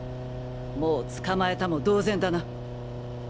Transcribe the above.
もう捕まえたも同然だな。